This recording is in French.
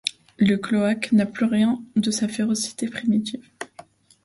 Le cloaque n’a plus rien de sa férocité primitive.